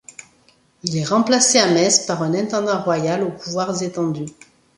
Il est remplacé à Metz par un intendant royal, aux pouvoirs étendus.